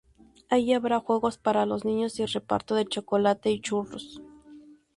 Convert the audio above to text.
Allí habrá juegos para los niños y reparto de chocolate y churros.